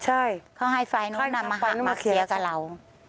ใช่เขาให้ไฟล์นู้นนำมาหักมาเคลียร์กับเรา